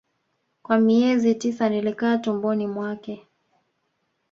Kwa miezi tisa nilikaa tumboni mwake